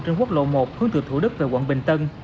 trên quốc lộ một hướng từ thủ đức về quận bình tân